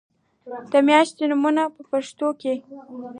د میاشتو نومونه په پښتو کې